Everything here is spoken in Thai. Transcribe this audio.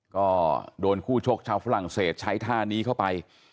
ก็โดนคู่ชกชาวฝรั่งเศสใช้ท่านี้เข้าไป